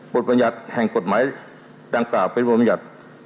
บรรยัติแห่งกฎหมายดังกล่าวเป็นบทบรรยัติ